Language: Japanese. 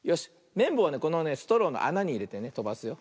めんぼうはねこのねストローのあなにいれてねとばすよ。